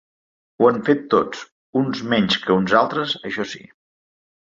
Ho han fet tots, uns menys que uns altres, això sí.